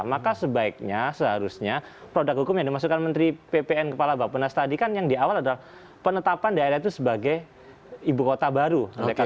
maka sebaiknya seharusnya produk hukum yang dimasukkan menteri ppn kepala bapak penas tadi kan yang di awal adalah penetapan daerah itu sebagai ibu kota baru